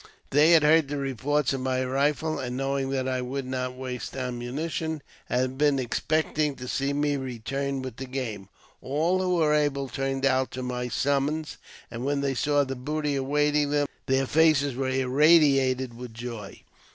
They had heard the reports of my rifle, and, knowing that I would not waste ammunition, had 62 AUTOBIOGBAPHY OF been expecting to see me return with game. All who were able turned out to my summons; and when they saw the booty awaiting them, their faces were irradiated with joy.